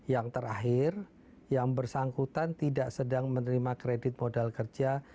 yang terakhir yang bersangkutan tidak sedang menerima kredit modal kerja